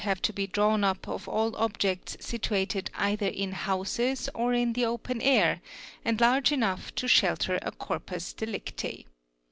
have to be drawn up of all objects situated either in houses or in the open air, and large enough to shelter a corpus delicti.